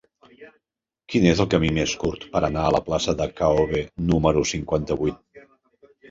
Quin és el camí més curt per anar a la plaça de K-obe número cinquanta-vuit?